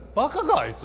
あいつは。